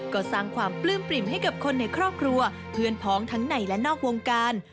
ก็สร้างความปลื้มปริ่มให้กับคนในครอบครัวเพื่อนพ้องทั้งในและนอกวงการ